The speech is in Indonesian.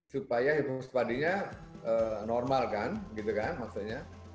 supaya hipospadinya normal kan gitu kan maksudnya